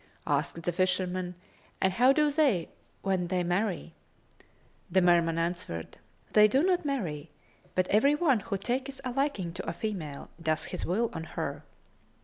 Asked the fisherman, "And how do they when they marry?" The Merman answered, "They do not marry; but every one who taketh a liking to a female doth his will of her."